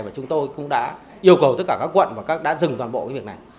và chúng tôi cũng đã yêu cầu tất cả các quận và các đã dừng toàn bộ cái việc này